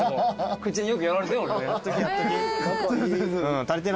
口によくやられたよ。